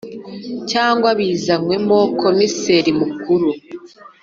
cyangwa bivanywemo Komiseri Mukuru